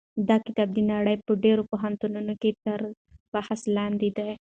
دا کتاب د نړۍ په ډېرو پوهنتونونو کې تر بحث لاندې دی.